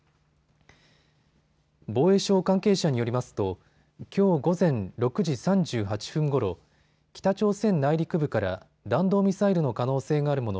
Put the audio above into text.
防衛省関係者によりますときょう午前６時３８分ごろ、北朝鮮内陸部から弾道ミサイルの可能性があるもの